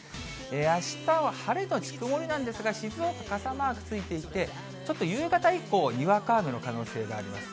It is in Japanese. あしたは晴れ後曇りなんですが、静岡、傘マークついていて、ちょっと夕方以降、にわか雨の可能性があります。